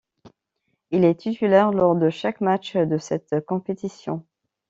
Il est titulaire lors de chaque match de cette compétition.